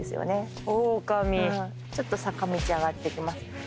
ちょっと坂道上がっていきます。